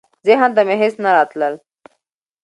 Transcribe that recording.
ذهن ته مي هیڅ نه راتلل .